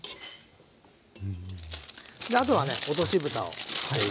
であとはね落としぶたをしていきます。